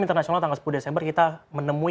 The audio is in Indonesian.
internasional tanggal sepuluh desember kita menemui